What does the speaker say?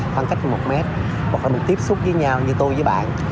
khoảng cách một mét hoặc là mình tiếp xúc với nhau như tôi với bạn